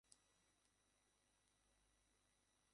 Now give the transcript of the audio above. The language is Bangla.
আমার মনে কোন হিংসা নেই।